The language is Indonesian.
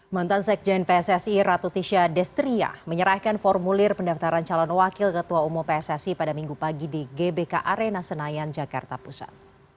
mantan sekjen pssi ratu tisha destria menyerahkan formulir pendaftaran calon wakil ketua umum pssi pada minggu pagi di gbk arena senayan jakarta pusat